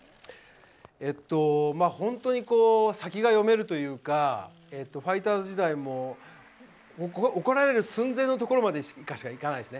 本当に先が読めるというか、ファイターズ時代も怒られる寸前のところまでしかいかないですね。